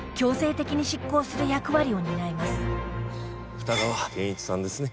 二川研一さんですね。